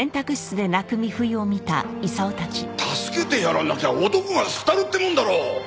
助けてやらなきゃ男が廃るってもんだろ！